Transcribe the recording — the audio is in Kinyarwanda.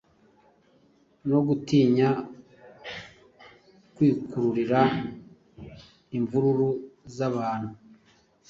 no gutinya kwikururira imvururu z’abantu.